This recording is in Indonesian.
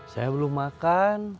saya belum makan